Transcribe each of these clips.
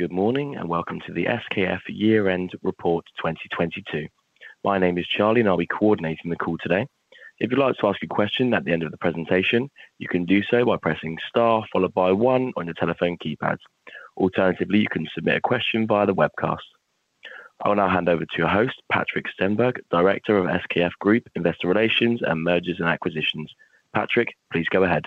Good morning, and welcome to the SKF Year End Report 2022. My name is Charlie, and I'll be coordinating the call today. If you'd like to ask a question at the end of the presentation, you can do so by pressing Star followed by 1 on your telephone keypad. Alternatively, you can submit a question via the webcast. I will now hand over to your host, Patrik Stenberg, Director of SKF Group, Investor Relations and Mergers and Acquisitions. Patrik, please go ahead.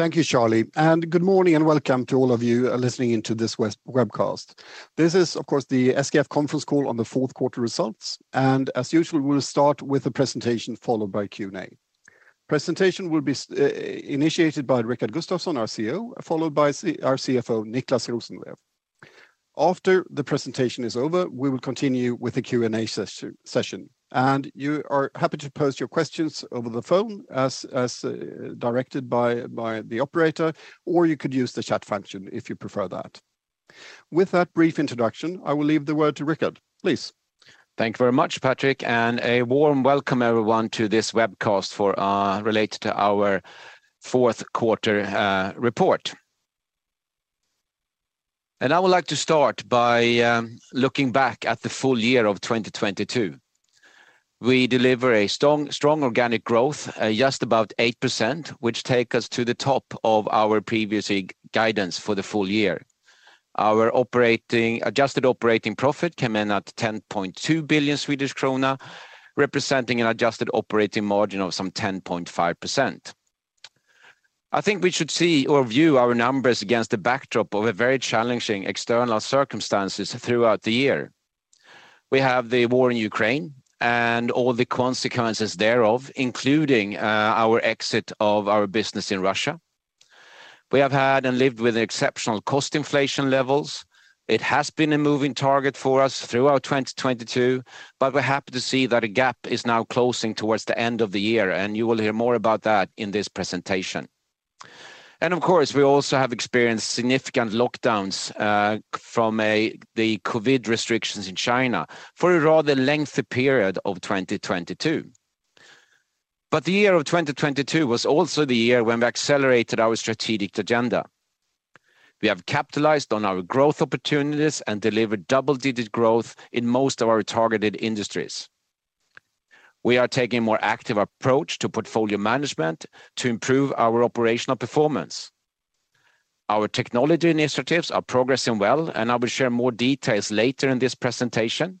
Thank you, Charlie, good morning, and welcome to all of you listening in to this webcast. This is, of course, the SKF conference call on the fourth quarter results. As usual, we'll start with a presentation followed by Q&A. Presentation will be initiated by Rickard Gustafson, our CEO, followed by our CFO, Niclas Rosenlew. After the presentation is over, we will continue with the Q&A session. You are happy to pose your questions over the phone as directed by the operator, or you could use the chat function if you prefer that. With that brief introduction, I will leave the word to Rickard. Please. Thank you very much, Patrik. A warm welcome, everyone, to this webcast related to our fourth quarter report. I would like to start by looking back at the full year of 2022. We deliver a strong organic growth, just about 8%, which take us to the top of our previous guidance for the full year. Our adjusted operating profit came in at 10.2 billion Swedish krona, representing an adjusted operating margin of some 10.5%. I think we should see or view our numbers against the backdrop of a very challenging external circumstances throughout the year. We have the war in Ukraine and all the consequences thereof, including our exit of our business in Russia. We have had and lived with exceptional cost inflation levels. It has been a moving target for us throughout 2022. We're happy to see that a gap is now closing towards the end of the year. You will hear more about that in this presentation. Of course, we also have experienced significant lockdowns from the COVID restrictions in China for a rather lengthy period of 2022. The year of 2022 was also the year when we accelerated our strategic agenda. We have capitalized on our growth opportunities and delivered double-digit growth in most of our targeted industries. We are taking a more active approach to portfolio management to improve our operational performance. Our technology initiatives are progressing well, and I will share more details later in this presentation.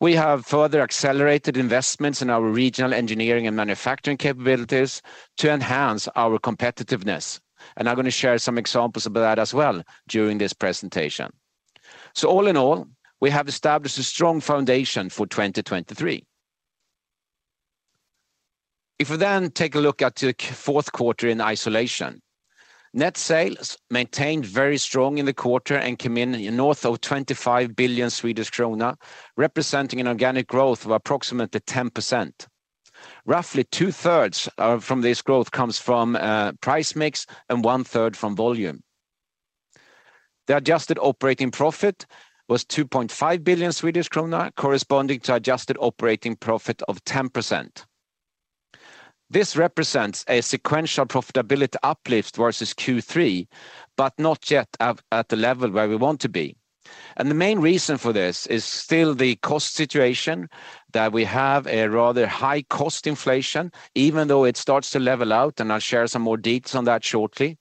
We have further accelerated investments in our regional engineering and manufacturing capabilities to enhance our competitiveness. I'm gonna share some examples of that as well during this presentation. All in all, we have established a strong foundation for 2023. If we take a look at the fourth quarter in isolation, net sales maintained very strong in the quarter and came in north of 25 billion Swedish krona, representing an organic growth of approximately 10%. Roughly two-thirds from this growth comes from price mix and one-third from volume. The adjusted operating profit was 2.5 billion Swedish krona, corresponding to adjusted operating profit of 10%. This represents a sequential profitability uplift versus Q3, but not yet at the level where we want to be. The main reason for this is still the cost situation that we have a rather high cost inflation, even though it starts to level out, and I'll share some more deets on that shortly.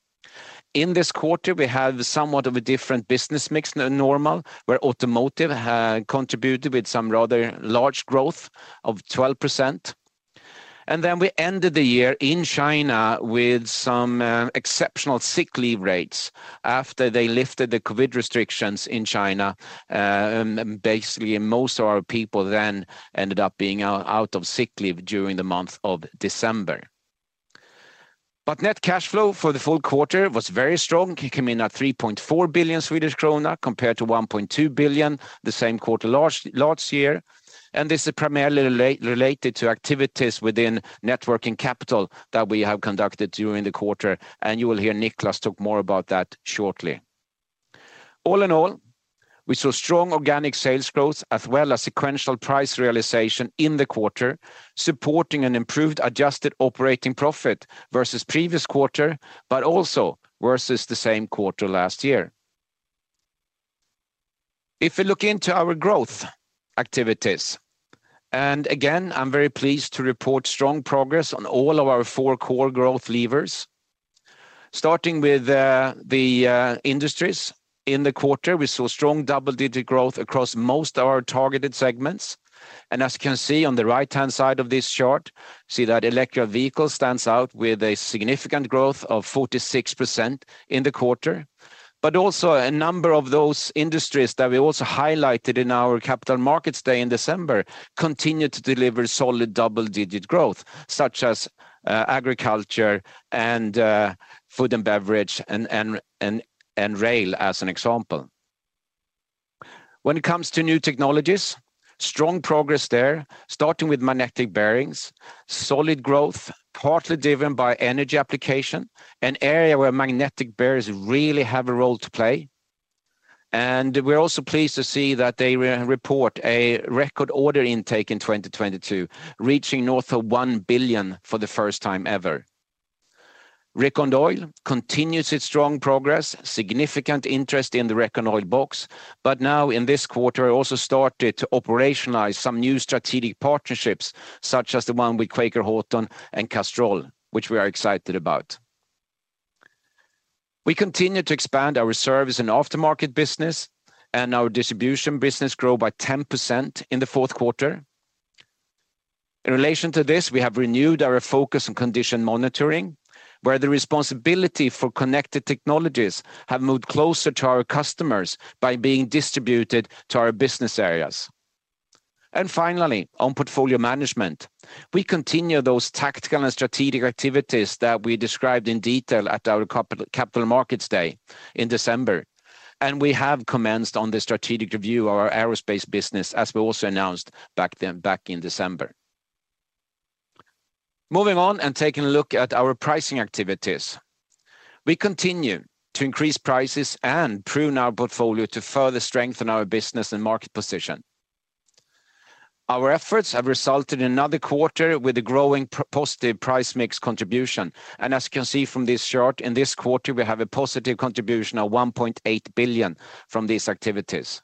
In this quarter, we have somewhat of a different business mix than normal, where automotive contributed with some rather large growth of 12%. Then we ended the year in China with some exceptional sick leave rates after they lifted the COVID restrictions in China. Basically, most of our people then ended up being out of sick leave during the month of December. Net cash flow for the full quarter was very strong. It came in at 3.4 billion Swedish krona compared to 1.2 billion the same quarter last year. This is primarily related to activities within Net Working Capital that we have conducted during the quarter, and you will hear Niclas talk more about that shortly. All in all, we saw strong organic sales growth as well as sequential price realization in the quarter, supporting an improved adjusted operating profit versus previous quarter, also versus the same quarter last year. If we look into our growth activities, again, I'm very pleased to report strong progress on all of our four core growth levers. Starting with the industries. In the quarter, we saw strong double-digit growth across most of our targeted segments. As you can see on the right-hand side of this chart, see that electric vehicle stands out with a significant growth of 46% in the quarter. Also a number of those industries that we also highlighted in our Capital Markets Day in December continue to deliver solid double-digit growth, such as agriculture and food and beverage and rail as an example. When it comes to new technologies, strong progress there, starting with magnetic bearings, solid growth, partly driven by energy application, an area where magnetic bearings really have a role to play. We are also pleased to see that they re-report a record order intake in 2022, reaching north of 1 billion for the first time ever. RecondOil continues its strong progress, significant interest in the RecondOil Box. Now in this quarter, also started to operationalize some new strategic partnerships, such as the one with Quaker Houghton and Castrol, which we are excited about. We continue to expand our service and aftermarket business, and our distribution business grow by 10% in the fourth quarter. In relation to this, we have renewed our focus on condition monitoring, where the responsibility for connected technologies have moved closer to our customers by being distributed to our business areas. Finally, on portfolio management, we continue those tactical and strategic activities that we described in detail at our Capital Markets Day in December. We have commenced on the strategic review of our aerospace business as we also announced back then, back in December. Moving on and taking a look at our pricing activities. We continue to increase prices and prune our portfolio to further strengthen our business and market position. Our efforts have resulted in another quarter with a growing positive price mix contribution. As you can see from this chart, in this quarter, we have a positive contribution of 1.8 billion from these activities.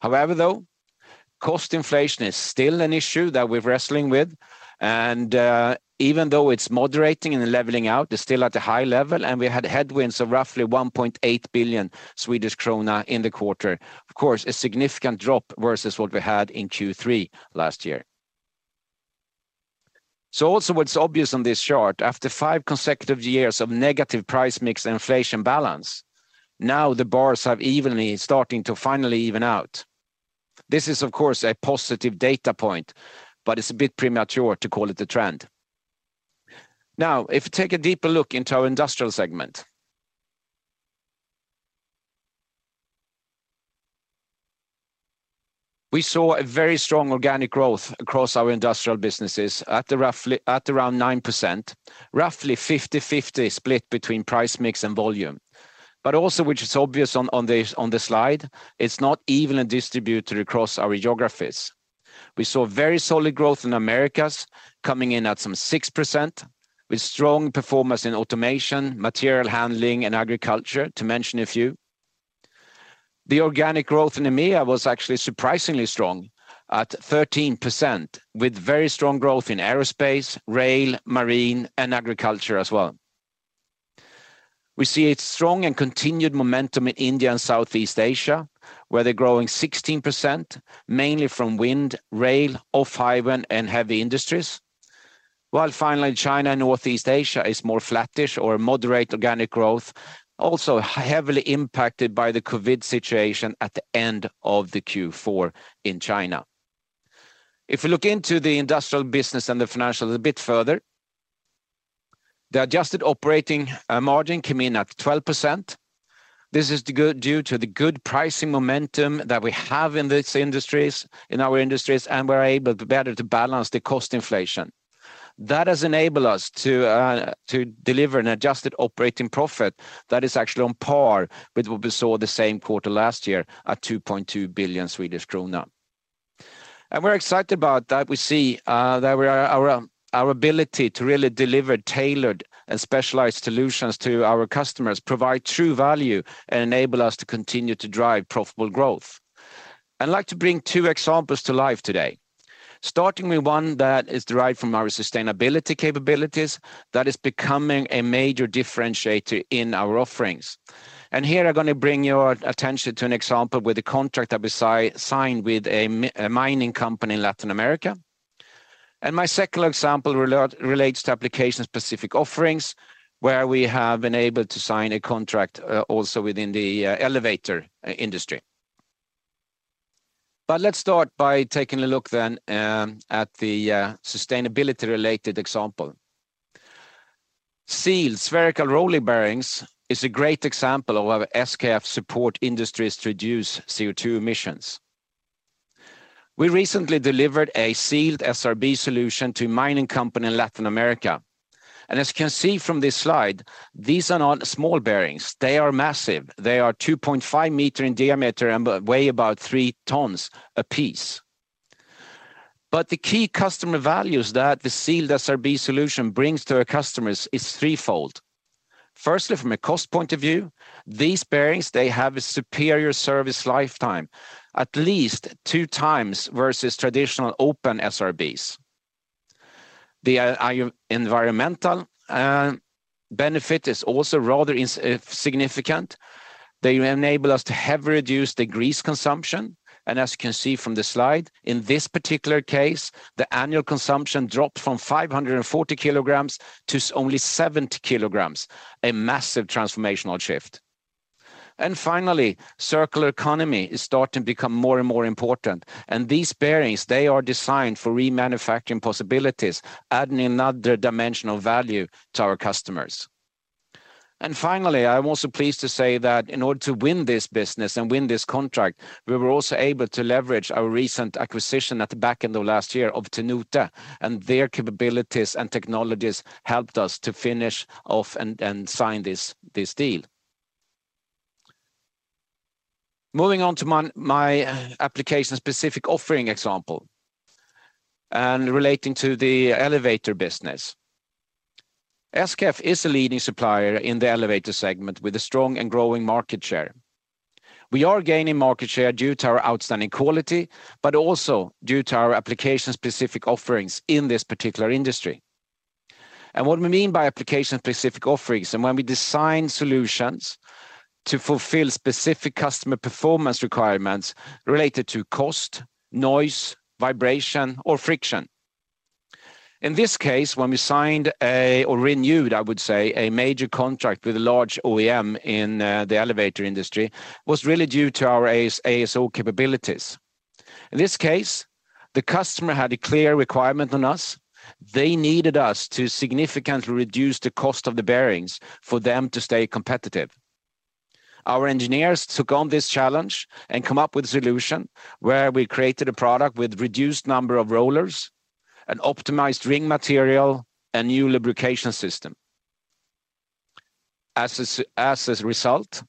However, though, cost inflation is still an issue that we're wrestling with. Even though it's moderating and leveling out, it's still at a high level, and we had headwinds of roughly 1.8 billion Swedish krona in the quarter. Of course, a significant drop versus what we had in Q3 last year. Also what's obvious on this chart, after 5 consecutive years of negative price mix inflation balance, now the bars have evenly starting to finally even out. This is, of course, a positive data point, but it's a bit premature to call it a trend. If you take a deeper look into our industrial segment. We saw a very strong organic growth across our industrial businesses at around 9%, roughly 50/50 split between price mix and volume. Also, which is obvious on the slide, it's not evenly distributed across our geographies. We saw very solid growth in Americas coming in at some 6%, with strong performance in automation, material handling, and agriculture, to mention a few. The organic growth in EMEA was actually surprisingly strong at 13%, with very strong growth in aerospace, rail, marine, and agriculture as well. We see a strong and continued momentum in India and Southeast Asia, where they're growing 16%, mainly from wind, rail, off-highway, and heavy industries. Finally, China and Northeast Asia is more flattish or moderate organic growth, also heavily impacted by the COVID situation at the end of the Q4 in China. If you look into the industrial business and the financials a bit further, the adjusted operating margin came in at 12%. This is due to the good pricing momentum that we have in these industries, in our industries, and we're able better to balance the cost inflation. That has enabled us to deliver an adjusted operating profit that is actually on par with what we saw the same quarter last year at 2.2 billion Swedish krona. We're excited about that. We see that our ability to really deliver tailored and specialized solutions to our customers provide true value and enable us to continue to drive profitable growth. I'd like to bring two examples to life today. Starting with one that is derived from our sustainability capabilities, that is becoming a major differentiator in our offerings. Here I'm gonna bring your attention to an example with a contract that we signed with a mining company in Latin America. My second example relates to application-specific offerings, where we have been able to sign a contract also within the elevator industry. Let's start by taking a look then at the sustainability-related example. Sealed spherical roller bearings is a great example of how SKF support industries to reduce CO2 emissions. We recently delivered a sealed SRB solution to a mining company in Latin America. As you can see from this slide, these are not small bearings. They are massive. They are 2.5 meter in diameter and weigh about 3 tons apiece. The key customer values that the sealed SRB solution brings to our customers is threefold. Firstly, from a cost point of view, these bearings, they have a superior service lifetime, at least two times versus traditional open SRBs. The environmental benefit is also rather significant. They enable us to heavily reduce the grease consumption. As you can see from the slide, in this particular case, the annual consumption dropped from 540 kilograms to only 70 kilograms, a massive transformational shift. Finally, circular economy is starting to become more and more important. These bearings, they are designed for remanufacturing possibilities, adding another dimension of value to our customers. Finally, I'm also pleased to say that in order to win this business and win this contract, we were also able to leverage our recent acquisition at the back end of last year of Tenute Srl, and their capabilities and technologies helped us to finish off and sign this deal. Moving on to my application-specific offering example and relating to the elevator business. SKF is a leading supplier in the elevator segment with a strong and growing market share. We are gaining market share due to our outstanding quality, but also due to our application-specific offerings in this particular industry. What we mean by application-specific offerings, and when we design solutions to fulfill specific customer performance requirements related to cost, noise, vibration, or friction. In this case, when we signed a or renewed, I would say, a major contract with a large OEM in the elevator industry, was really due to our ASO capabilities. In this case, the customer had a clear requirement on us. They needed us to significantly reduce the cost of the bearings for them to stay competitive. Our engineers took on this challenge and come up with a solution where we created a product with reduced number of rollers, an optimized ring material, a new lubrication system. As a result,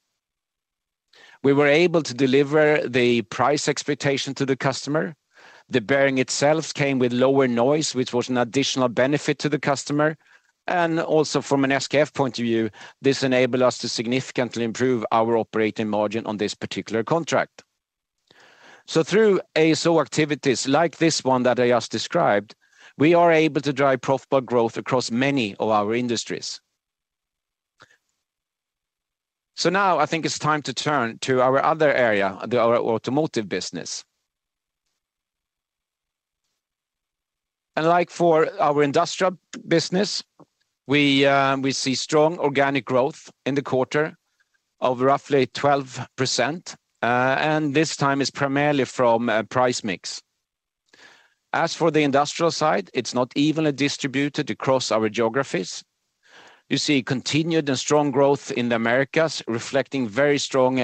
we were able to deliver the price expectation to the customer. The bearing itself came with lower noise, which was an additional benefit to the customer. Also from an SKF point of view, this enabled us to significantly improve our operating margin on this particular contract. Through ASO activities like this one that I just described, we are able to drive profitable growth across many of our industries. Now I think it's time to turn to our other area, our automotive business. Like for our industrial business, we see strong organic growth in the quarter of roughly 12%, and this time is primarily from price mix. As for the industrial side, it's not evenly distributed across our geographies. You see continued and strong growth in the Americas reflecting very strong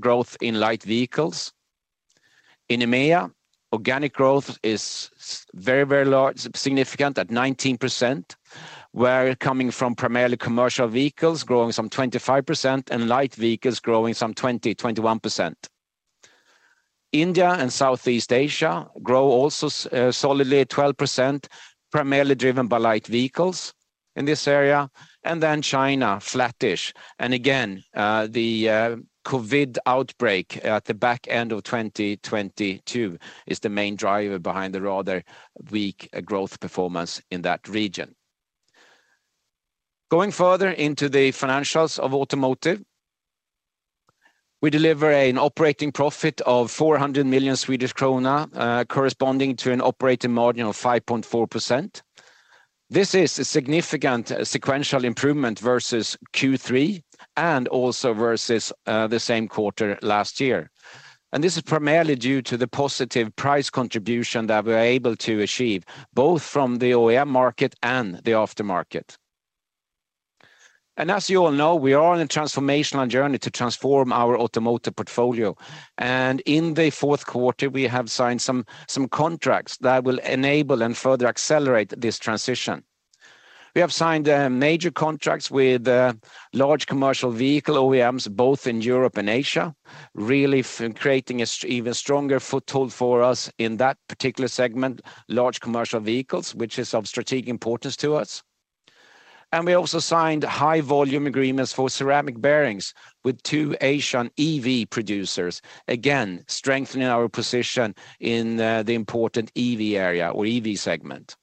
growth in light vehicles. In EMEA, organic growth is very, very large, significant at 19%, where coming from primarily commercial vehicles growing some 25% and light vehicles growing some 20%-21%. India and Southeast Asia grow also solidly at 12%, primarily driven by light vehicles in this area. China, flattish. Again, COVID outbreak at the back end of 2022 is the main driver behind the rather weak growth performance in that region. Going further into the financials of automotive, we deliver an operating profit of 400 million Swedish krona, corresponding to an operating margin of 5.4%. This is a significant sequential improvement versus Q3 and also versus the same quarter last year. This is primarily due to the positive price contribution that we're able to achieve, both from the OEM market and the aftermarket. As you all know, we are on a transformational journey to transform our automotive portfolio. In the fourth quarter, we have signed some contracts that will enable and further accelerate this transition. We have signed major contracts with large commercial vehicle OEMs, both in Europe and Asia, really creating an even stronger foothold for us in that particular segment, large commercial vehicles, which is of strategic importance to us. We also signed high volume agreements for ceramic bearings with 2 Asian EV producers, again, strengthening our position in the important EV area or EV segment.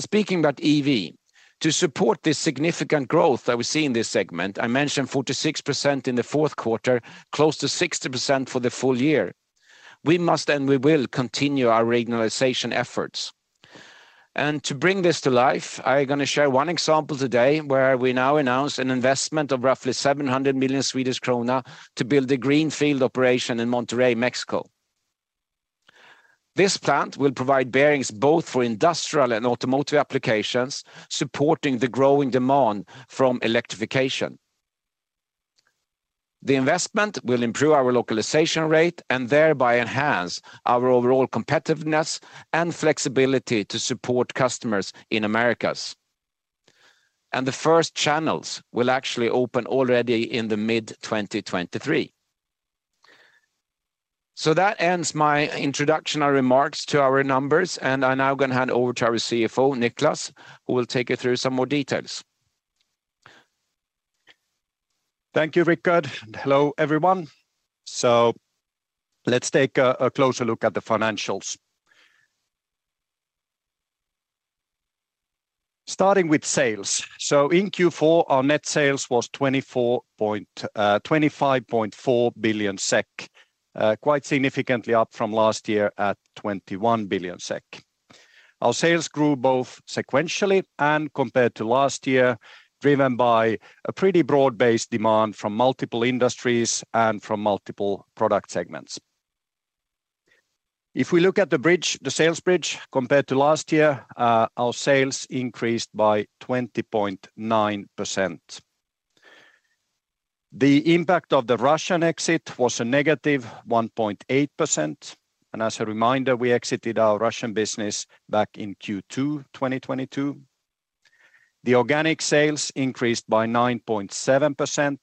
Speaking about EV, to support this significant growth that we see in this segment, I mentioned 46% in the fourth quarter, close to 60% for the full year. We must, and we will continue our regionalization efforts. To bring this to life, I'm going to share 1 example today where we now announce an investment of roughly 700 million Swedish krona to build a greenfield operation in Monterrey, Mexico. This plant will provide bearings both for industrial and automotive applications, supporting the growing demand from electrification. The investment will improve our localization rate and thereby enhance our overall competitiveness and flexibility to support customers in Americas. The first channels will actually open already in the mid-2023. That ends my introduction and remarks to our numbers, and I'm now gonna hand over to our CFO, Niclas, who will take you through some more details. Thank you, Rickard. Hello, everyone. Let's take a closer look at the financials. Starting with sales. In Q4, our net sales was 25.4 billion SEK, quite significantly up from last year at 21 billion SEK. Our sales grew both sequentially and compared to last year, driven by a pretty broad-based demand from multiple industries and from multiple product segments. If we look at the bridge, the sales bridge compared to last year, our sales increased by 20.9%. The impact of the Russian exit was a negative 1.8%. As a reminder, we exited our Russian business back in Q2 2022. The organic sales increased by 9.7%,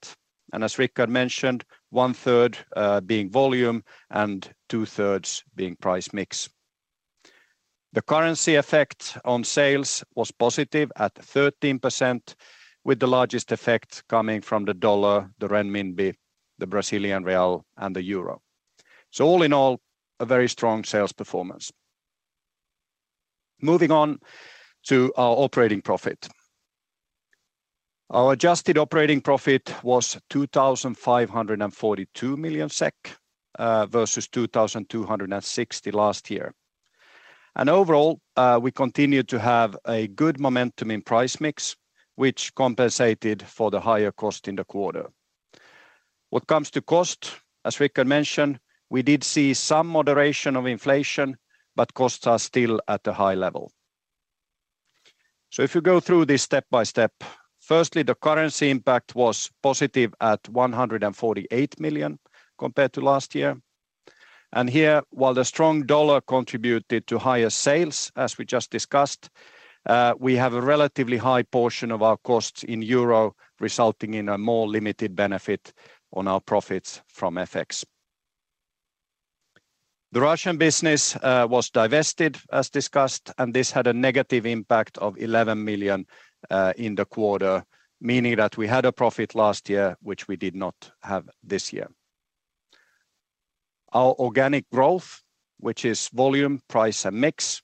and as Rick had mentioned, one third being volume and two-thirds being price mix. The currency effect on sales was positive at 13%, with the largest effect coming from the dollar, the renminbi, the Brazilian real and the euro. All in all, a very strong sales performance. Moving on to our operating profit. Our adjusted operating profit was 2,542 million SEK versus 2,260 million last year. Overall, we continued to have a good momentum in price mix, which compensated for the higher cost in the quarter. What comes to cost, as Rick had mentioned, we did see some moderation of inflation, but costs are still at a high level. If you go through this step by step, firstly, the currency impact was positive at 148 million compared to last year. While the strong dollar contributed to higher sales, as we just discussed, we have a relatively high portion of our costs in EUR, resulting in a more limited benefit on our profits from FX. The Russian business was divested, as discussed, and this had a negative impact of 11 million in the quarter, meaning that we had a profit last year, which we did not have this year. Our organic growth, which is volume, price and mix,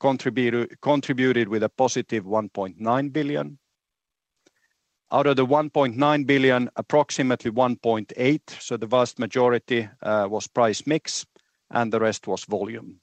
contributed with a positive 1.9 billion. Out of the 1.9 billion, approximately 1.8 billion, so the vast majority, was price mix, and the rest was volume.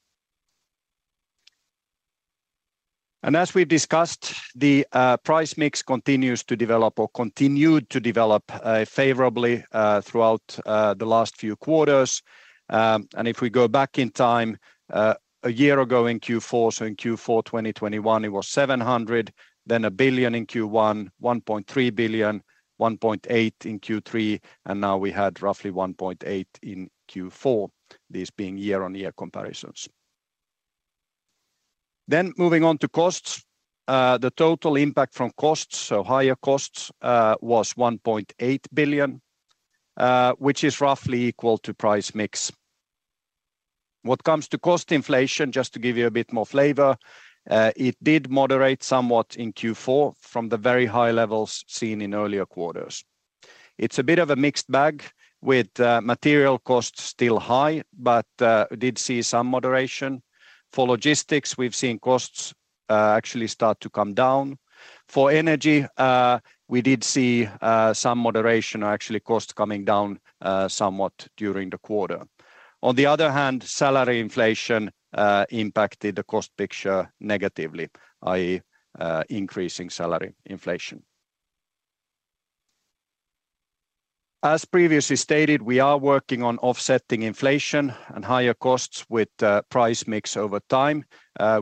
As we've discussed, the price mix continues to develop or continued to develop favorably throughout the last few quarters. If we go back in time, a year ago in Q4, in Q4 2021 it was 700, then 1 billion in Q1, 1.3 billion, 1.8 billion in Q3, and now we had roughly 1.8 billion in Q4, these being year-on-year comparisons. Moving on to costs, the total impact from costs, so higher costs, was 1.8 billion, which is roughly equal to price mix. What comes to cost inflation, just to give you a bit more flavor, it did moderate somewhat in Q4 from the very high levels seen in earlier quarters. It's a bit of a mixed bag with, material costs still high, but did see some moderation. For logistics, we've seen costs, actually start to come down. For energy, we did see, some moderation or actually cost coming down, somewhat during the quarter. On the other hand, salary inflation impacted the cost picture negatively, i.e., increasing salary inflation. As previously stated, we are working on offsetting inflation and higher costs with price mix over time.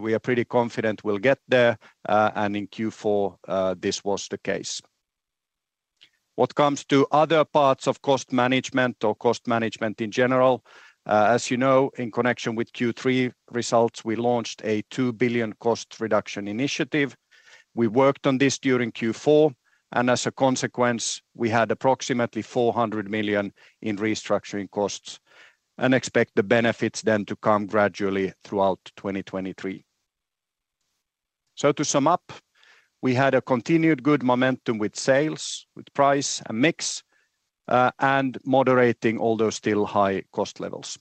We are pretty confident we'll get there, and in Q4, this was the case. What comes to other parts of cost management or cost management in general, as you know, in connection with Q3 results, we launched a 2 billion cost reduction initiative. We worked on this during Q4, and as a consequence, we had approximately 400 million in restructuring costs and expect the benefits then to come gradually throughout 2023. To sum up, we had a continued good momentum with sales, with price and mix, and moderating although still high cost levels.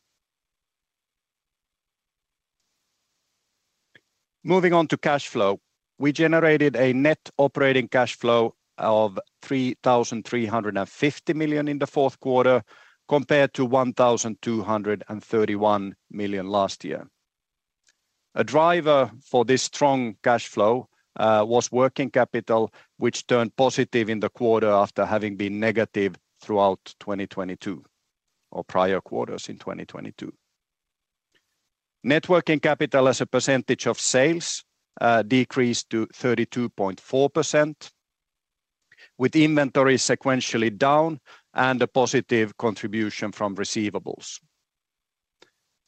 Moving on to cash flow. We generated a net operating cash flow of 3,350 million in the fourth quarter compared to 1,231 million last year. A driver for this strong cash flow was working capital, which turned positive in the quarter after having been negative throughout 2022 or prior quarters in 2022. Net Working Capital as a percentage of sales decreased to 32.4%, with inventory sequentially down and a positive contribution from receivables.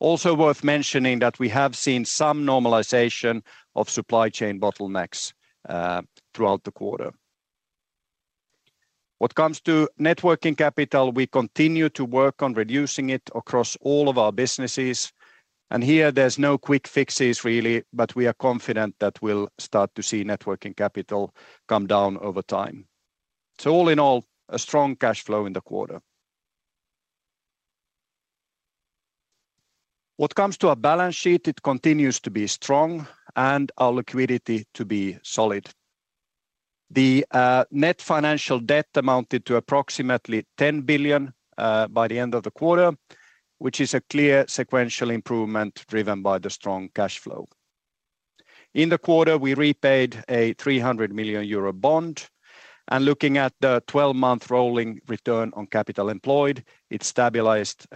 Worth mentioning that we have seen some normalization of supply chain bottlenecks throughout the quarter. What comes to Net Working Capital, we continue to work on reducing it across all of our businesses, and here there's no quick fixes really, but we are confident that we'll start to see Net Working Capital come down over time. All in all, a strong cash flow in the quarter. What comes to our balance sheet, it continues to be strong and our liquidity to be solid. The net financial debt amounted to approximately 10 billion by the end of the quarter, which is a clear sequential improvement driven by the strong cash flow. In the quarter, we repaid a 300 million euro bond. Looking at the 12-month rolling Return on Capital Employed, it stabilized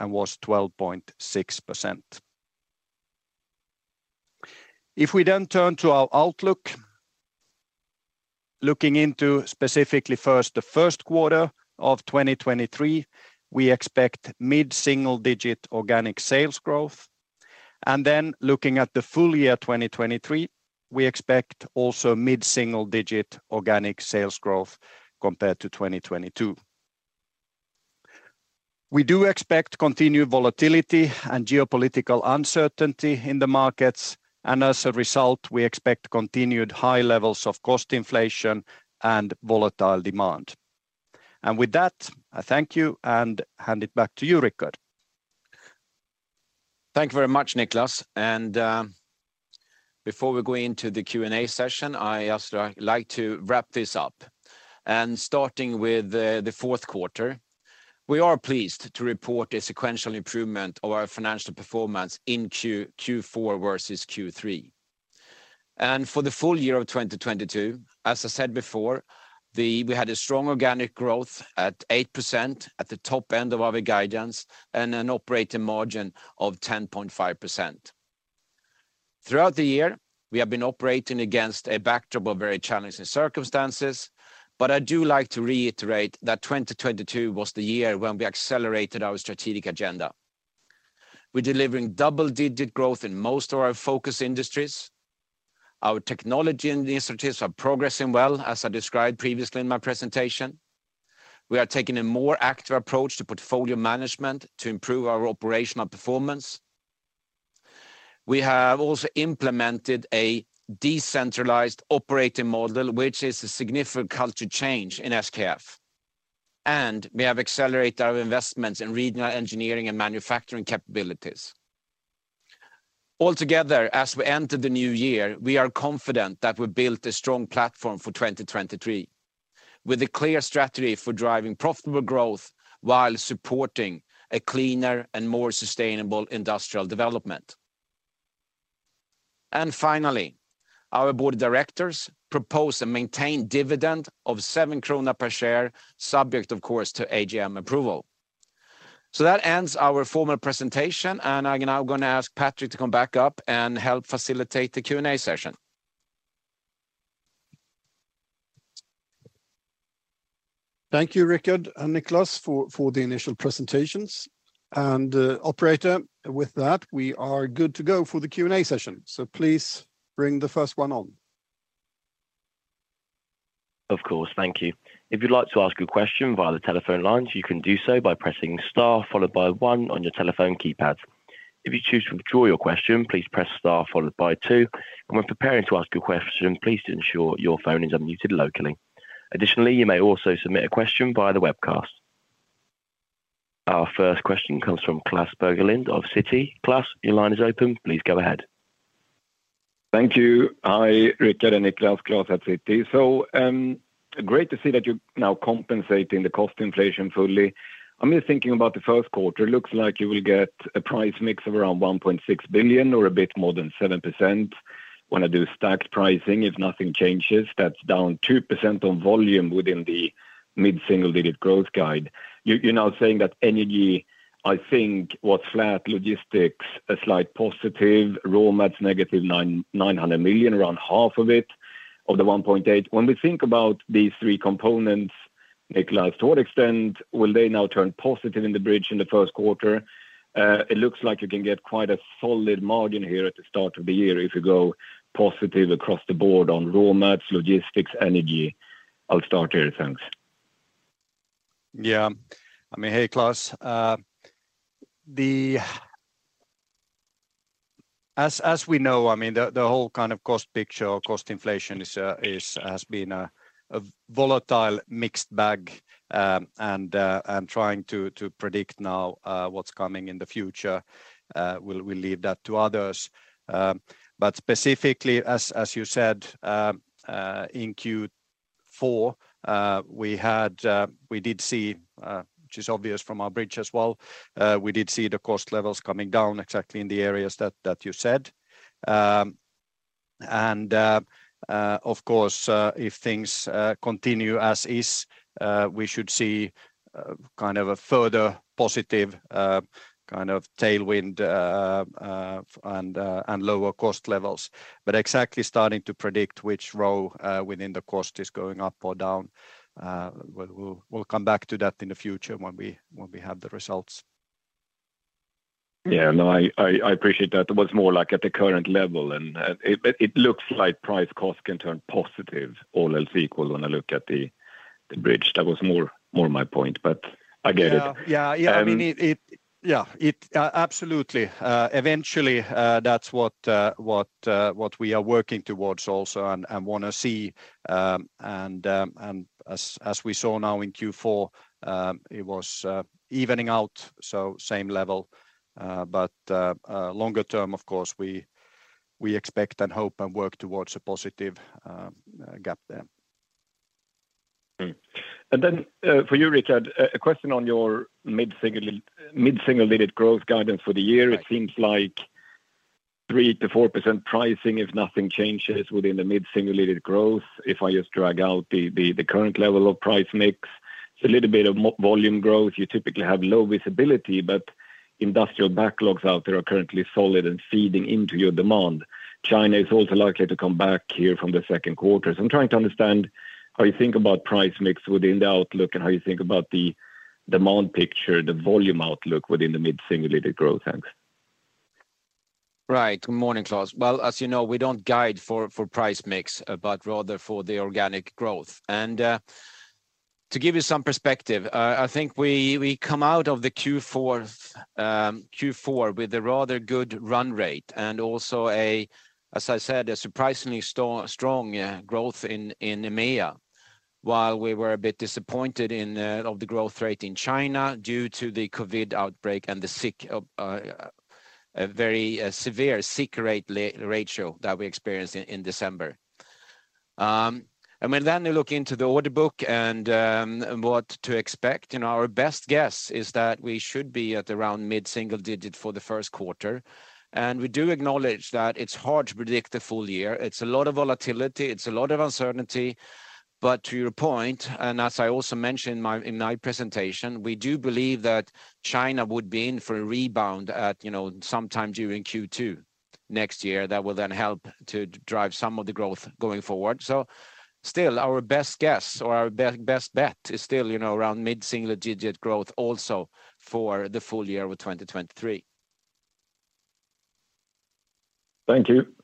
and was 12.6%. If we then turn to our outlook. Looking into specifically first, the first quarter of 2023, we expect mid-single digit organic sales growth. Looking at the full year 2023, we expect also mid-single digit organic sales growth compared to 2022. We do expect continued volatility and geopolitical uncertainty in the markets, and as a result, we expect continued high levels of cost inflation and volatile demand. With that, I thank you and hand it back to you, Rickard. Thank you very much, Niclas. Before we go into the Q&A session, I just like to wrap this up. Starting with the fourth quarter, we are pleased to report a sequential improvement of our financial performance in Q4 versus Q3. For the full year of 2022, as I said before, we had a strong organic growth at 8% at the top end of our guidance and an operating margin of 10.5%. Throughout the year, we have been operating against a backdrop of very challenging circumstances, but I do like to reiterate that 2022 was the year when we accelerated our strategic agenda. We're delivering double-digit growth in most of our focus industries. Our technology initiatives are progressing well, as I described previously in my presentation. We are taking a more active approach to portfolio management to improve our operational performance. We have also implemented a decentralized operating model, which is a significant culture change in SKF, and we have accelerated our investments in regional engineering and manufacturing capabilities. As we enter the new year, we are confident that we built a strong platform for 2023, with a clear strategy for driving profitable growth while supporting a cleaner and more sustainable industrial development. Finally, our board of directors propose a maintained dividend of 7 krona per share, subject, of course, to AGM approval. That ends our formal presentation, and I'm now gonna ask Patrik to come back up and help facilitate the Q&A session. Thank you, Rickard and Niclas for the initial presentations. Operator, with that, we are good to go for the Q&A session. Please bring the first one on. Of course. Thank you. If you'd like to ask a question via the telephone lines, you can do so by pressing Star followed by one on your telephone keypad. If you choose to withdraw your question, please press Star followed by two. When preparing to ask a question, please ensure your phone is unmuted locally. You may also submit a question via the webcast. Our first question comes from Klas Bergelind of Citi. Klas, your line is open. Please go ahead. Thank you. Hi, Rickard and Niclas. Klas at Citi. Great to see that you're now compensating the cost inflation fully. I'm just thinking about the first quarter. It looks like you will get a price mix of around 1.6 billion or a bit more than 7%. When I do stacked pricing, if nothing changes, that's down 2% on volume within the mid-single digit growth guide. You're now saying that energy, I think, was flat logistics, a slight positive, raw mats, negative 900 million, around half of it, of the 1.8. When we think about these three components, Niclas, to what extent will they now turn positive in the bridge in the first quarter? It looks like you can get quite a solid margin here at the start of the year if you go positive across the board on raw mats, logistics, energy. I'll start here. Thanks. Yeah. I mean, hey, Klas. As we know, I mean, the whole kind of cost picture or cost inflation is, has been a volatile mixed bag, and trying to predict now what's coming in the future, we'll leave that to others. Specifically, as you said, in Q4, we had, we did see, which is obvious from our bridge as well, we did see the cost levels coming down exactly in the areas that you said. Of course, if things continue as is, we should see kind of a further positive kind of tailwind, and lower cost levels. Exactly starting to predict which row, within the cost is going up or down, we'll come back to that in the future when we, when we have the results. Yeah. No, I appreciate that. It was more like at the current level, and it looks like price cost can turn positive, all else equal when I look at the bridge. That was more my point. I get it. Yeah. I mean, it... Yeah. It absolutely. Eventually, that's what we are working towards also and wanna see. As we saw now in Q4, it was evening out, so same level. Longer term, of course, we expect and hope and work towards a positive gap there. Mm-hmm. Then for you, Rickard, a question on your mid-single digit growth guidance for the year. It seems like 3%-4% pricing if nothing changes within the mid-single digit growth, if I just drag out the current level of price mix. A little bit of volume growth, you typically have low visibility. Industrial backlogs out there are currently solid and feeding into your demand. China is also likely to come back here from the second quarter. I'm trying to understand how you think about price mix within the outlook and how you think about the demand picture, the volume outlook within the mid-simulated growth. Thanks. Right. Good morning, Klas. Well, as you know, we don't guide for price mix, but rather for the organic growth. To give you some perspective, I think we come out of the Q4 with a rather good run rate and also a, as I said, a surprisingly strong growth in EMEA. While we were a bit disappointed in of the growth rate in China due to the COVID outbreak and the sick a very severe sick ratio that we experienced in December. When then you look into the order book and what to expect. You know, our best guess is that we should be at around mid-single digit for the first quarter. We do acknowledge that it's hard to predict the full year. It's a lot of volatility, it's a lot of uncertainty. To your point, and as I also mentioned in my presentation, we do believe that China would be in for a rebound at, you know, sometime during Q2 next year that will then help to drive some of the growth going forward. Still our best guess or our best bet is still, you know, around mid-single digit growth also for the full year with 2023. Thank you.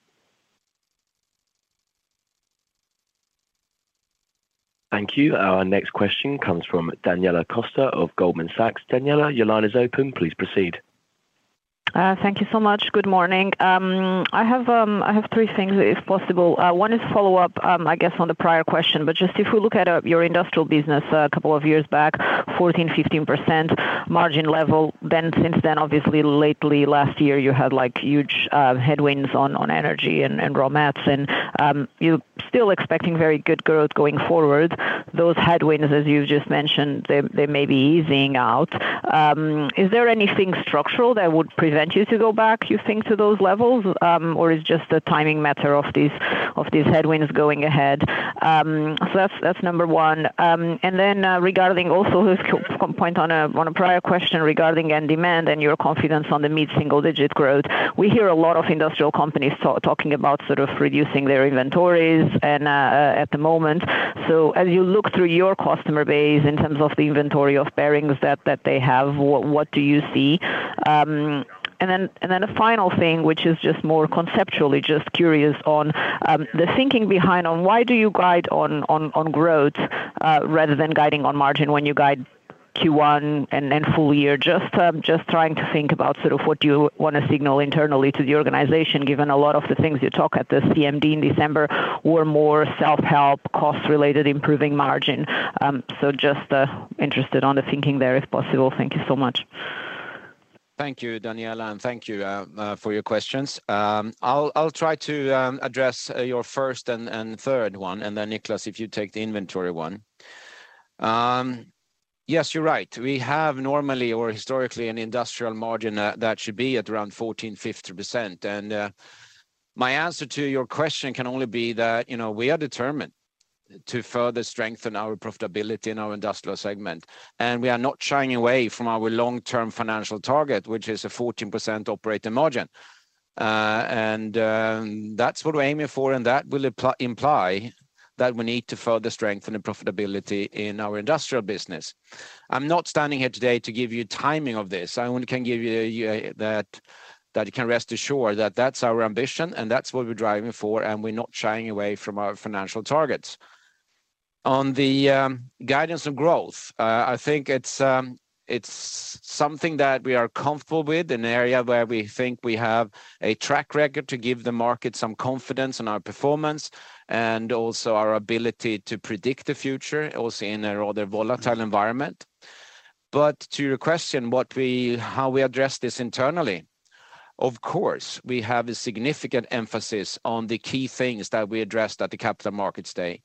Thank you. Our next question comes from Daniela Costa of Goldman Sachs. Daniela, your line is open. Please proceed. Thank you so much. Good morning. I have three things if possible. One is follow-up, I guess on the prior question. Just if we look at your industrial business a couple of years back, 14%, 15% margin level. Since then, obviously lately last year you had like huge headwinds on energy and raw mats, and you're still expecting very good growth going forward. Those headwinds, as you just mentioned, they may be easing out. Is there anything structural that would prevent you to go back, you think, to those levels? Is it just a timing matter of these headwinds going ahead? That's number one. Regarding also who's point on a prior question regarding end demand and your confidence on the mid-single digit growth. We hear a lot of industrial companies talking about sort of reducing their inventories at the moment. As you look through your customer base in terms of the inventory of bearings that they have, what do you see? A final thing, which is just more conceptually just curious on the thinking behind on why do you guide on growth rather than guiding on margin when you guide Q1 and full year? Just trying to think about sort of what you wanna signal internally to the organization, given a lot of the things you talk at the CMD in December were more self-help, cost-related improving margin. Just interested on the thinking there if possible. Thank you so much. Thank you, Daniela, thank you for your questions. I'll try to address your first and third one, Niclas, if you take the inventory one. Yes, you're right. We have normally or historically an industrial margin that should be at around 14%-15%. My answer to your question can only be that, you know, we are determined to further strengthen our profitability in our industrial segment. We are not shying away from our long-term financial target, which is a 14% operating margin. That's what we're aiming for, and that will imply that we need to further strengthen the profitability in our industrial business. I'm not standing here today to give you timing of this. I only can give you that you can rest assured that that's our ambition and that's what we're driving for. We're not shying away from our financial targets. On the guidance of growth, I think it's something that we are comfortable with, an area where we think we have a track record to give the market some confidence in our performance and also our ability to predict the future also in a rather volatile environment. To your question, how we address this internally, of course, we have a significant emphasis on the key things that we addressed at the Capital Markets Day.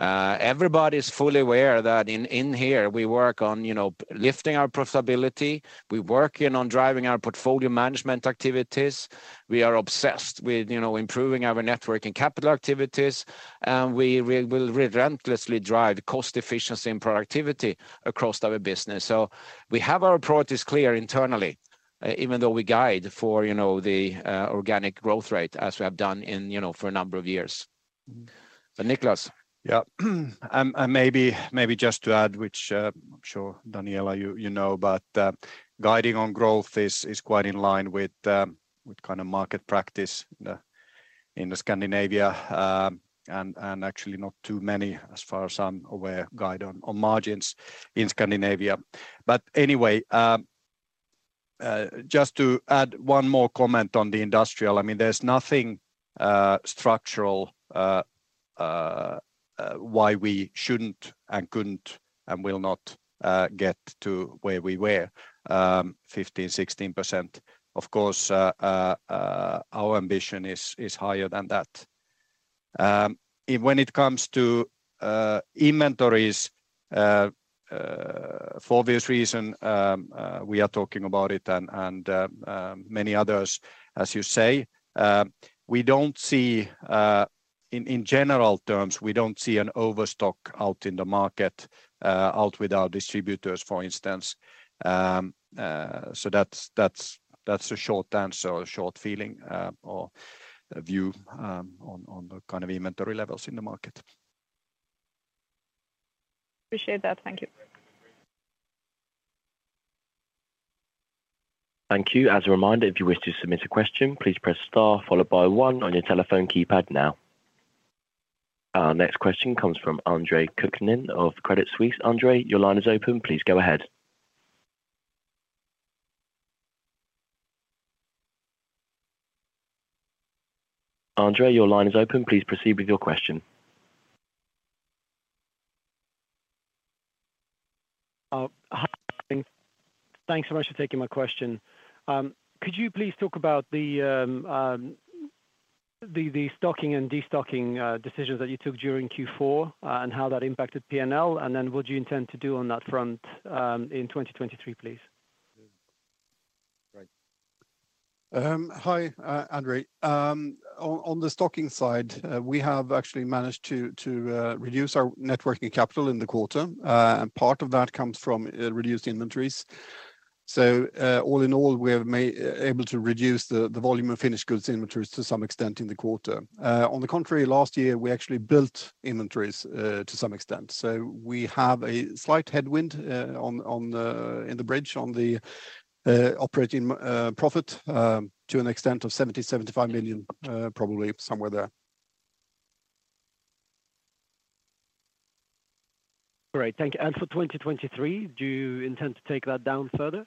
Everybody is fully aware that in here we work on, you know, lifting our profitability, we're working on driving our portfolio management activities. We are obsessed with, you know, improving our network and capital activities, we will relentlessly drive cost efficiency and productivity across our business. We have our priorities clear internally, even though we guide for, you know, the organic growth rate as we have done in, you know, for a number of years. Niclas. Yeah. Maybe just to add, which, I'm sure, Daniela, you know, guiding on growth is quite in line with kind of market practice in the Scandinavia. Actually not too many, as far as I'm aware, guide on margins in Scandinavia. Anyway, just to add one more comment on the industrial. I mean, there's nothing structural why we shouldn't and couldn't and will not get to where we were, 15%-16%. Of course, our ambition is higher than that. When it comes to inventories, for obvious reason, we are talking about it and many others, as you say. In general terms, we don't see an overstock out in the market, out with our distributors, for instance. That's a short answer or a short feeling or a view on the kind of inventory levels in the market. Appreciate that. Thank you. Thank you. As a reminder, if you wish to submit a question, please press star followed by one on your telephone keypad now. Our next question comes from Andre Kukhnin of Credit Suisse. Andrei, your line is open. Please proceed with your question. Hi. Thanks so much for taking my question. Could you please talk about the stocking and destocking decisions that you took during Q4, and how that impacted P&L? What do you intend to do on that front in 2023, please? Right. Hi, Andre. On the stocking side, we have actually managed to reduce our Net Working Capital in the quarter. Part of that comes from reduced inventories. All in all, we have able to reduce the volume of finished goods inventories to some extent in the quarter. On the contrary, last year, we actually built inventories to some extent. We have a slight headwind in the bridge on the operating profit to an extent of 70-75 million, probably somewhere there. Great. Thank you. For 2023, do you intend to take that down further?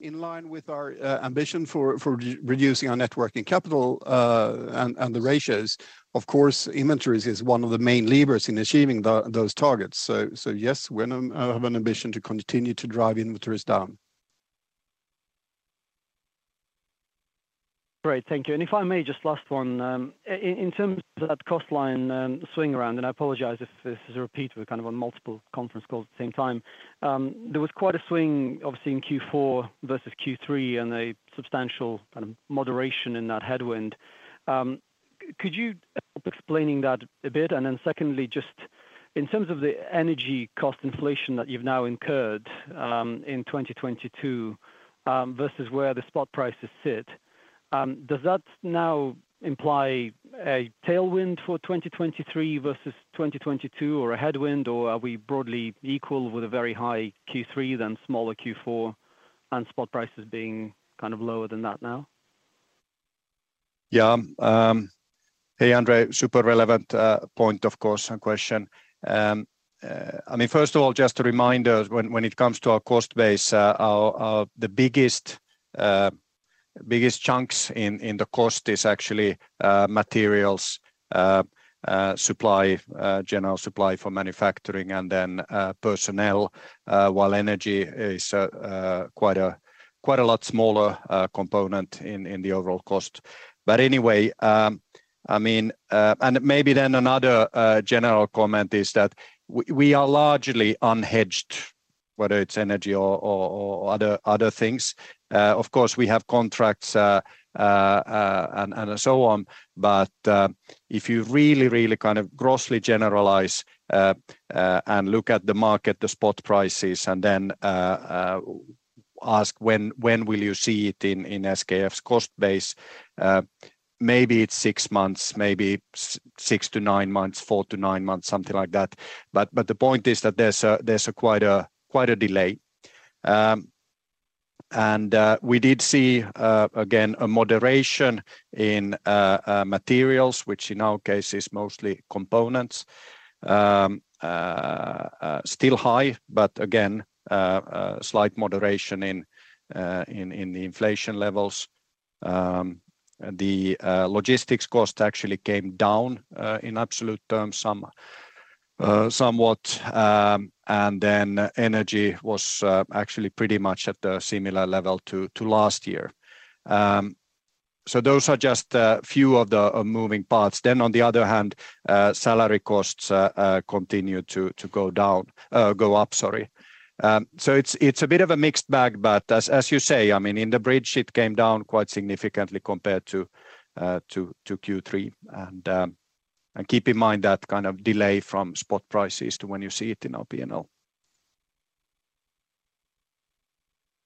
In line with our ambition for reducing our Net Working Capital, and the ratios, of course, inventories is one of the main levers in achieving those targets. yes, we have an ambition to continue to drive inventories down. Great. Thank you. If I may just last one, in terms of that cost line swing around, and I apologize if this is a repeat. We're kind of on multiple conference calls at the same time. There was quite a swing obviously in Q4 versus Q3 and a substantial kind of moderation in that headwind. Could you help explaining that a bit? Then secondly, just in terms of the energy cost inflation that you've now incurred in 2022 versus where the spot prices sit, does that now imply a tailwind for 2023 versus 2022 or a headwind or are we broadly equal with a very high Q3 than smaller Q4 and spot prices being kind of lower than that now? Yeah. Hey, Andre. Super relevant point, of course, and question. I mean, first of all, just a reminder, when it comes to our cost base, our the biggest chunks in the cost is actually materials, supply, general supply for manufacturing and then personnel, while energy is quite a lot smaller component in the overall cost. Anyway, I mean, maybe then another general comment is that we are largely unhedged, whether it's energy or other things. Of course, we have contracts and so on. If you really, really kind of grossly generalize and look at the market, the spot prices, and then ask when will you see it in SKF's cost base, maybe it's 6 months, maybe 6-9 months, 4-9 months, something like that. The point is that there's quite a delay. We did see again, a moderation in materials, which in our case is mostly components. Still high, but again, slight moderation in the inflation levels. The logistics cost actually came down in absolute terms somewhat, and then energy was actually pretty much at a similar level to last year. Those are just a few of the moving parts. On the other hand, salary costs continue to go up, sorry. It's a bit of a mixed bag, but as you say, I mean, in the bridge, it came down quite significantly compared to Q3. Keep in mind that kind of delay from spot prices to when you see it in our P&L.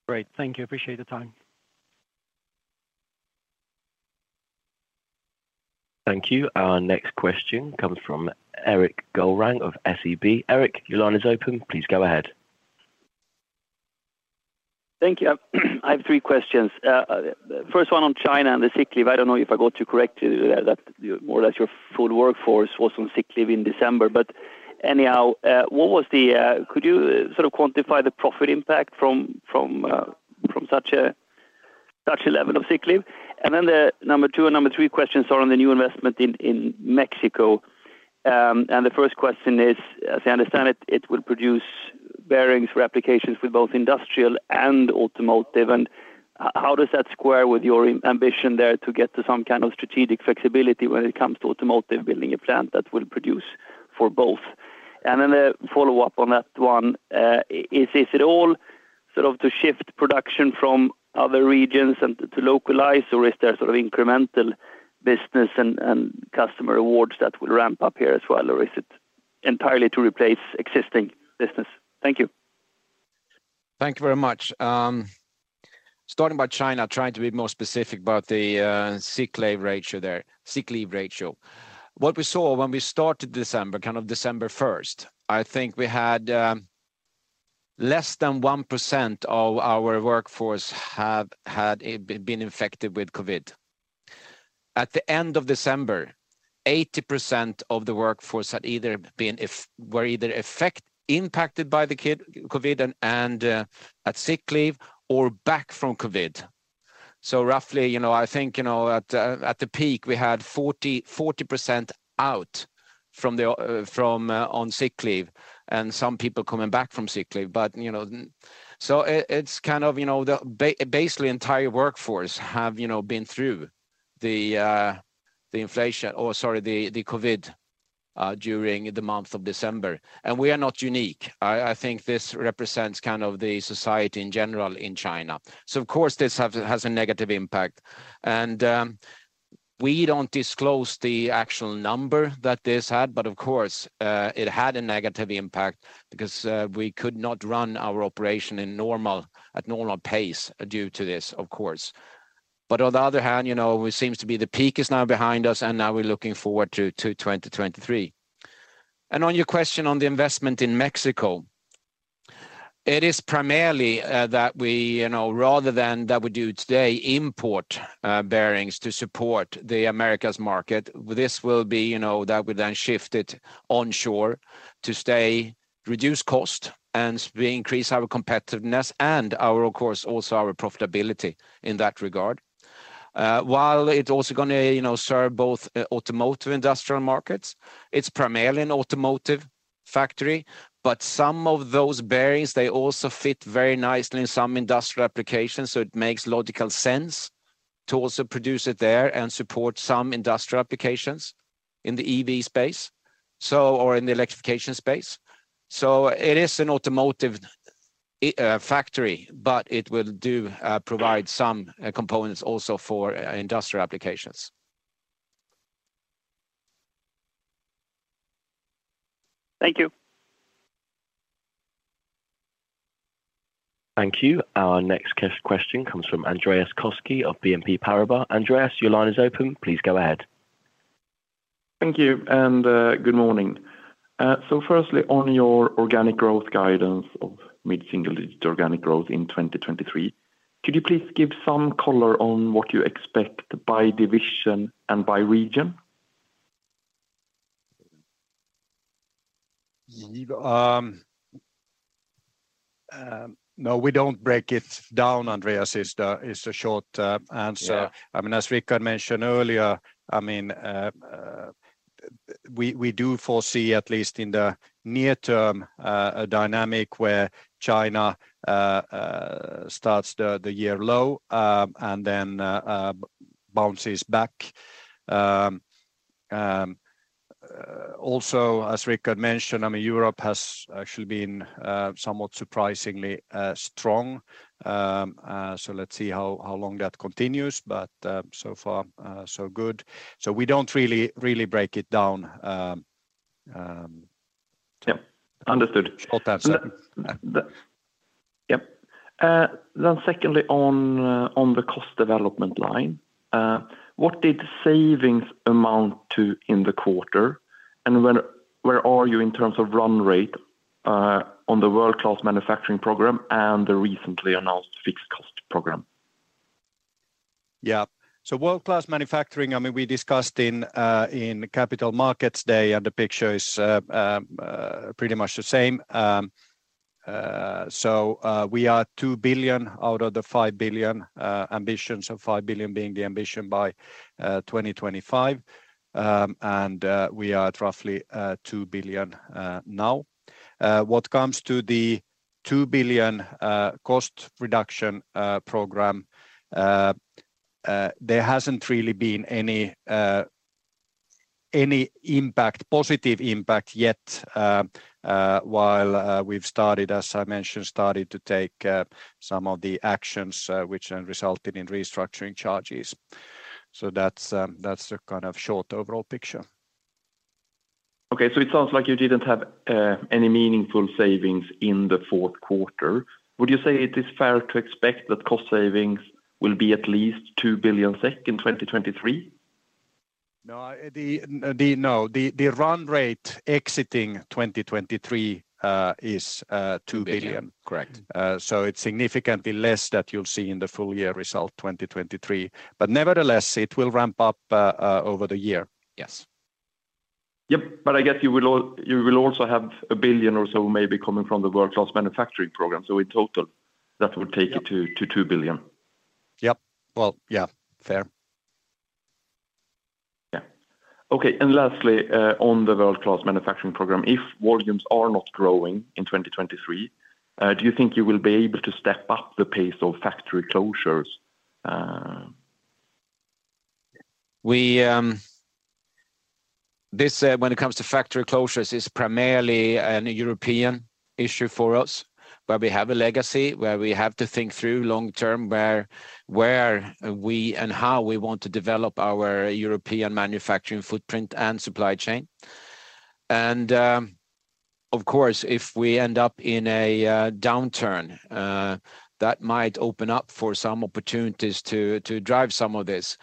Great. Thank you. Appreciate the time. Thank you. Our next question comes from Erik Golrang of SEB. Erik, your line is open. Please go ahead. Thank you. I have 3 questions. First one on China and the sick leave. I don't know if I got you correctly that more or less your full workforce was on sick leave in December. Anyhow, what was the, could you sort of quantify the profit impact from such a level of sick leave? The number 2 and number 3 questions are on the new investment in Mexico. The first question is, as I understand it will produce bearings for applications with both industrial and automotive. How does that square with your ambition there to get to some kind of strategic flexibility when it comes to automotive building a plant that will produce for both? Then a follow-up on that one. Is it all sort of to shift production from other regions and to localize or is there sort of incremental business and customer awards that will ramp up here as well? Is it entirely to replace existing business? Thank you. Thank you very much. Starting by China, trying to be more specific about the sick leave ratio there. What we saw when we started December, kind of December first, I think we had less than 1% of our workforce have had been infected with COVID. At the end of December, 80% of the workforce had either been impacted by COVID and at sick leave or back from COVID. Roughly, you know, I think, you know, at the peak, we had 40% out from the on sick leave and some people coming back from sick leave. You know. It's kind of, you know, basically entire workforce have, you know, been through the inflation or sorry, the COVID during the month of December. We are not unique. I think this represents kind of the society in general in China. Of course, this has a negative impact. We don't disclose the actual number that this had, of course, it had a negative impact because we could not run our operation in normal, at normal pace due to this, of course. On the other hand, you know, it seems to be the peak is now behind us, now we're looking forward to 2023. On your question on the investment in Mexico, it is primarily, that we, you know, rather than that we do today import, bearings to support the Americas market. This will be, you know, that we then shift it onshore to stay, reduce cost, and we increase our competitiveness and our, of course, also our profitability in that regard. While it also gonna, you know, serve both, automotive industrial markets, it's primarily an automotive factory. Some of those bearings, they also fit very nicely in some industrial applications, so it makes logical sense to also produce it there and support some industrial applications in the EV space, so or in the electrification space. It is an automotive factory, but it will provide some components also for industrial applications. Thank you. Thank you. Our next question comes from Andreas Koski of BNP Paribas. Andreas, your line is open. Please go ahead. Thank you. Good morning. Firstly, on your organic growth guidance of mid-single digit organic growth in 2023, could you please give some color on what you expect by division and by region? No, we don't break it down, Andreas, is the short answer. Yeah. I mean, as Rickard mentioned earlier, I mean, we do foresee, at least in the near term, a dynamic where China starts the year low, and then bounces back. Also, as Rickard mentioned, I mean Europe has actually been somewhat surprisingly strong. Let's see how long that continues, but so far, so good. We don't really break it down. Yeah. Understood. Short answer. Yep. Secondly, on the cost development line, what did savings amount to in the quarter? Where are you in terms of run rate, on the World-Class Manufacturing program and the recently announced fixed cost program? World-Class Manufacturing, I mean, we discussed in Capital Markets Day. The picture is pretty much the same. We are 2 billion out of the 5 billion ambitions of 5 billion being the ambition by 2025. We are at roughly 2 billion now. What comes to the 2 billion cost reduction program, there hasn't really been any impact, positive impact yet. We've started, as I mentioned, to take some of the actions which then resulted in restructuring charges. That's the kind of short overall picture. Okay. It sounds like you didn't have any meaningful savings in the fourth quarter. Would you say it is fair to expect that cost savings will be at least 2 billion SEK in 2023? No. The run rate exiting 2023 is 2 billion. Billion. Correct. It's significantly less that you'll see in the full year result 2023. Nevertheless, it will ramp up over the year. Yes. Yep. I guess you will also have 1 billion or so maybe coming from the World-Class Manufacturing program. In total, that would take it to 2 billion. Yep. Yeah. Fair. Yeah. Okay. Lastly, on the World-Class Manufacturing program, if volumes are not growing in 2023, do you think you will be able to step up the pace of factory closures? We, this, when it comes to factory closures, is primarily an European issue for us, where we have a legacy, where we have to think through long term where we and how we want to develop our European manufacturing footprint and supply chain. Of course, if we end up in a downturn, that might open up for some opportunities to drive some of this.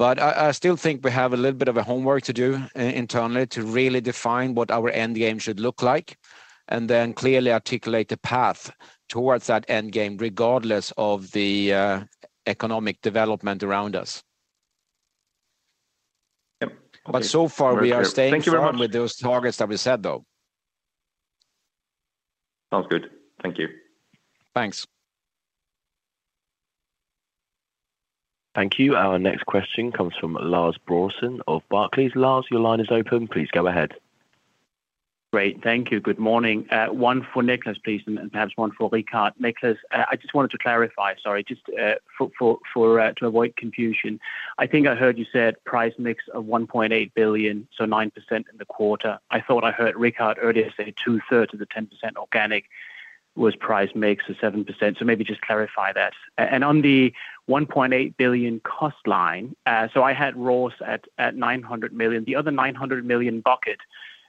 I still think we have a little bit of a homework to do internally to really define what our end game should look like, and then clearly articulate the path towards that end game, regardless of the economic development around us. Yep. Okay. So far we are staying firm. Thank you very much. with those targets that we set, though. Sounds good. Thank you. Thanks. Thank you. Our next question comes from Lars Brorson of Barclays. Lars, your line is open. Please go ahead. Great. Thank you. Good morning. One for Niclas, please, and perhaps one for Rickard. Niclas, I just wanted to clarify, sorry, just for to avoid confusion. I think I heard you said price mix of 1.8 billion, so 9% in the quarter. I thought I heard Rickard earlier say two-thirds of the 10% organic was price mix, so 7%. Maybe just clarify that. On the 1.8 billion cost line, so I had raw at 900 million. The other 900 million bucket,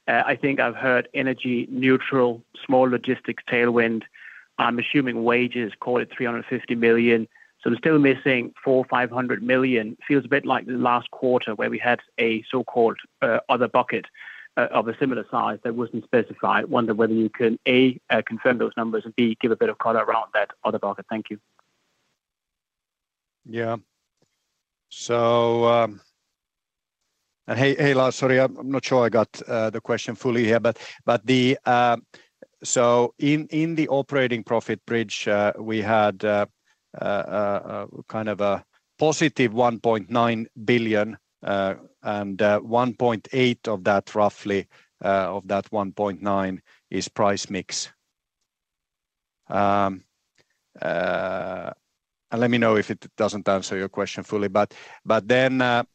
I think I've heard energy neutral, small logistics tailwind. I'm assuming wages call it 350 million, so we're still missing 400 million-500 million. Feels a bit like the last quarter where we had a so-called, other bucket of a similar size that wasn't specified. Wonder whether you can, A, confirm those numbers, and B, give a bit of color around that other bucket? Thank you. Yeah. Hey, Lars, sorry, I'm not sure I got the question fully here. The operating profit bridge, we had kind of a positive 1.9 billion, and 1.8 of that, roughly, of that 1.9 is price mix. Let me know if it doesn't answer your question fully. Then,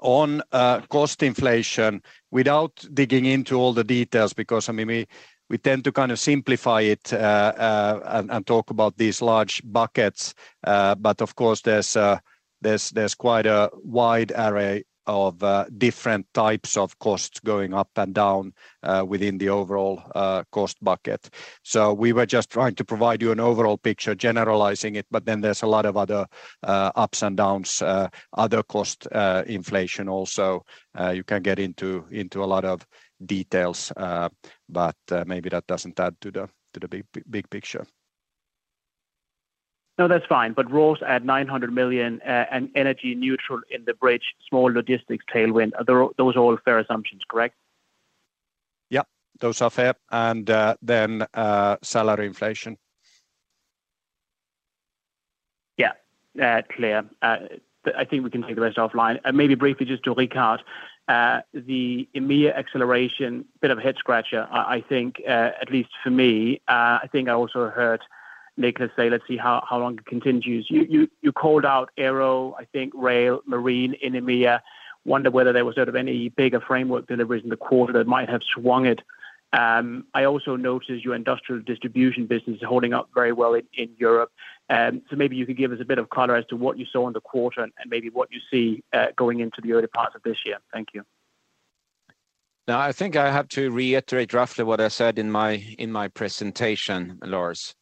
on cost inflation, without digging into all the details, because I mean, we tend to kind of simplify it and talk about these large buckets. Of course, there's quite a wide array of different types of costs going up and down within the overall cost bucket. We were just trying to provide you an overall picture, generalizing it, but then there's a lot of other ups and downs, other cost inflation also. You can get into a lot of details, but maybe that doesn't add to the big, big picture. No, that's fine. Raw's at 900 million, and energy neutral in the bridge, small logistics tailwind. Are those all fair assumptions, correct? Yeah, those are fair. Salary inflation. Yeah. Clear. I think we can take the rest offline. Maybe briefly just to Rickard, the EMEA acceleration, bit of a head scratcher, I think, at least for me. I think I also heard Niclas say, Let's see how long it continues. You called out Aero, I think Rail, Marine in EMEA. Wonder whether there was sort of any bigger framework deliveries in the quarter that might have swung it. I also noticed your industrial distribution business is holding up very well in Europe. Maybe you could give us a bit of color as to what you saw in the quarter and maybe what you see going into the early parts of this year. Thank you. I think I have to reiterate roughly what I said in my, in my presentation, Lars.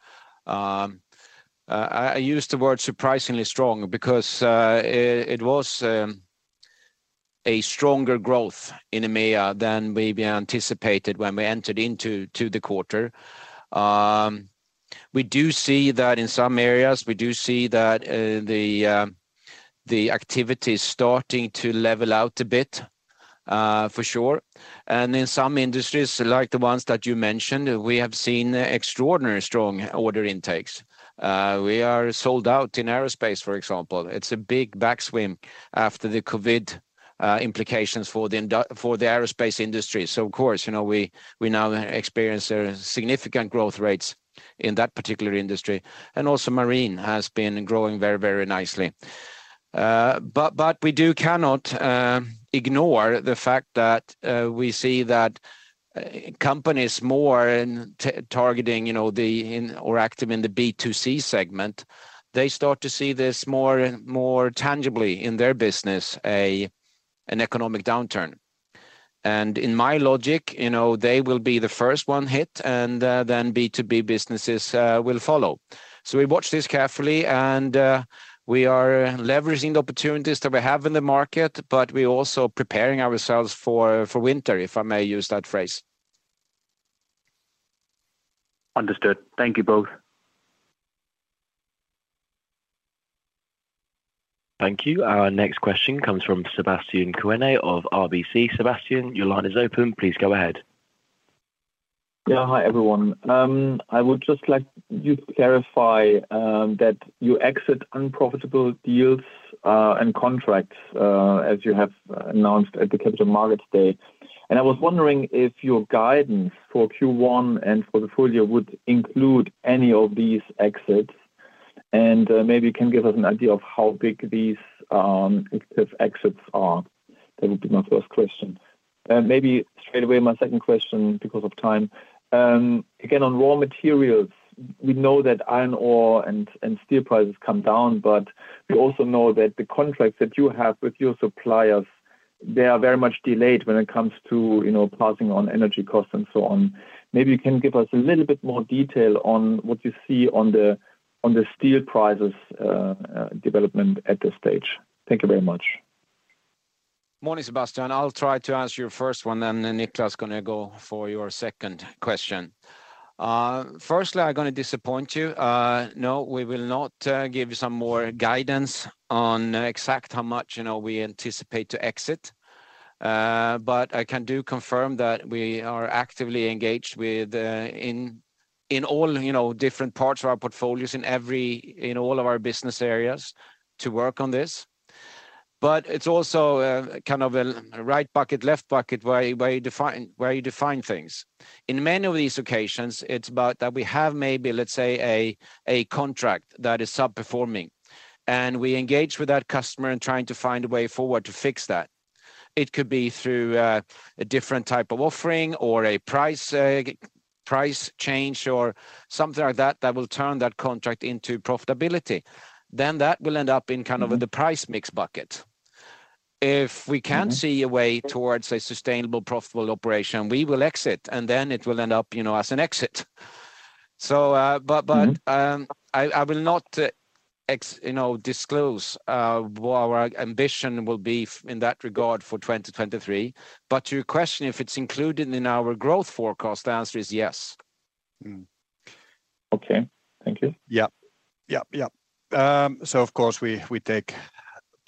I used the word surprisingly strong because it was a stronger growth in EMEA than maybe anticipated when we entered into to the quarter. We do see that in some areas. We do see that the activity is starting to level out a bit, for sure. In some industries, like the ones that you mentioned, we have seen extraordinary strong order intakes. We are sold out in aerospace, for example. It's a big back swim after the COVID implications for the aerospace industry. Of course, you know, we now experience a significant growth rates in that particular industry. Also Marine has been growing very, very nicely. We do cannot ignore the fact that we see that companies more targeting, you know, the in or active in the B2C segment, they start to see this more, more tangibly in their business, an economic downturn. In my logic, you know, they will be the first one hit, and then B2B businesses will follow. We watch this carefully and we are leveraging the opportunities that we have in the market, but we're also preparing ourselves for winter, if I may use that phrase. Understood. Thank you both. Thank you. Our next question comes from Sebastian Kuenne of RBC. Sebastian, your line is open. Please go ahead. Yeah. Hi, everyone. I would just like you to clarify that you exit unprofitable deals and contracts as you have announced at the Capital Markets Day. I was wondering if your guidance for Q1 and for the full year would include any of these exits. Maybe you can give us an idea of how big these if exits are. That would be my first question. Maybe straight away my second question because of time. Again, on raw materials, we know that iron ore and steel prices come down, we also know that the contracts that you have with your suppliers, they are very much delayed when it comes to, you know, passing on energy costs and so on. Maybe you can give us a little bit more detail on what you see on the steel prices development at this stage. Thank you very much. Morning, Sebastian. I'll try to answer your first one, and then Niclas is gonna go for your second question. Firstly, I'm gonna disappoint you. No, we will not give you some more guidance on exact how much, you know, we anticipate to exit. I can do confirm that we are actively engaged with in all, you know, different parts of our portfolios in all of our business areas to work on this. It's also kind of a right bucket, left bucket where you define things. In many of these occasions, it's about that we have maybe, let's say, a contract that is sub-performing, and we engage with that customer in trying to find a way forward to fix that. It could be through a different type of offering or a price change or something like that that will turn that contract into profitability. That will end up in kind of the price mix bucket. If we can see a way towards a sustainable, profitable operation, we will exit, and then it will end up, you know, as an exit. Mm-hmm I will not you know, disclose, what our ambition will be in that regard for 2023. To your question, if it's included in our growth forecast, the answer is yes. Okay. Thank you. Yeah. Yeah, yeah. Of course, we take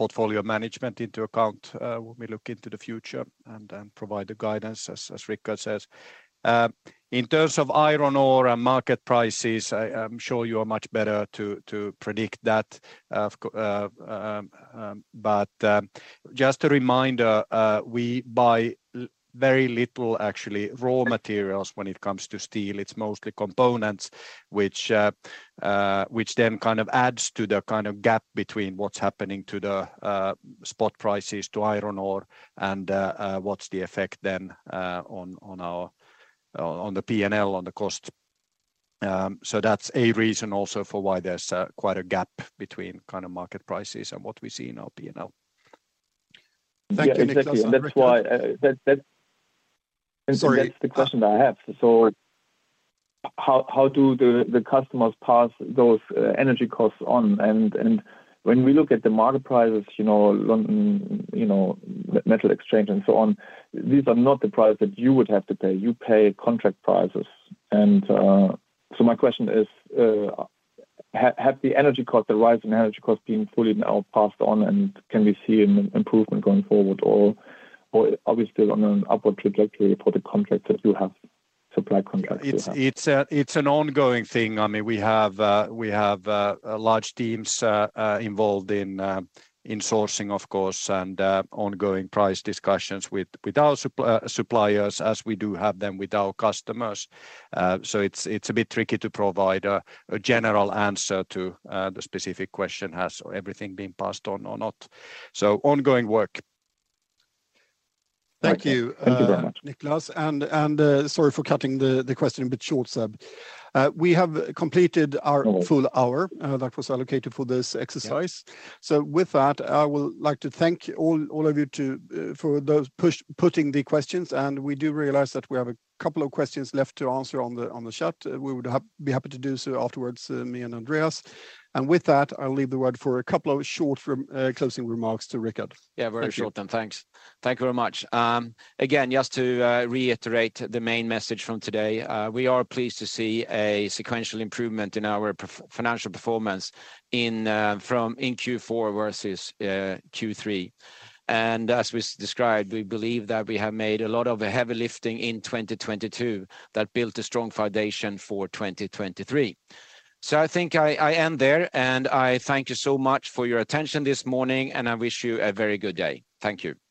portfolio management into account when we look into the future and then provide the guidance as Rickard says. In terms of iron ore and market prices, I'm sure you are much better to predict that. Just a reminder, we buy very little actually raw materials when it comes to steel. It's mostly components which then kind of adds to the kind of gap between what's happening to the spot prices to iron ore and what's the effect then on our P&L, on the cost. That's a reason also for why there's quite a gap between kind of market prices and what we see in our P&L. Thank you, Niclas Rosenlew. Yeah, exactly. That's why, that. Sorry That's the question that I have. How do the customers pass those energy costs on? When we look at the market prices, you know, London, you know, Metal Exchange and so on, these are not the price that you would have to pay. You pay contract prices. My question is, have the energy cost, the rise in energy cost been fully now passed on, and can we see an improvement going forward, or are we still on an upward trajectory for the contracts that you have, supply contracts you have? It's an ongoing thing. I mean, we have large teams involved in sourcing, of course, and ongoing price discussions with our suppliers as we do have them with our customers. It's a bit tricky to provide a general answer to the specific question, Has everything been passed on or not? Ongoing work. Thank you. Thank you very much.... Niclas. Sorry for cutting the question a bit short, Seb. We have completed our full hour that was allocated for this exercise. Yeah. With that, I would like to thank all of you to for those putting the questions. We do realize that we have a couple of questions left to answer on the chat. We would be happy to do so afterwards, me and Andreas. With that, I'll leave the word for a couple of short closing remarks to Rickard. Yeah. Thank you. Very short. Thanks. Thank you very much. Again, just to reiterate the main message from today, we are pleased to see a sequential improvement in our financial performance in Q4 versus Q3. As we described, we believe that we have made a lot of heavy lifting in 2022 that built a strong foundation for 2023. I think I end there, and I thank you so much for your attention this morning, and I wish you a very good day. Thank you.